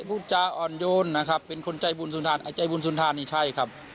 พูดจาอ่อนโยนนะครับเป็นคนใจบุญสุนทานไอใจบุญสุนทานนี่ใช่ครับ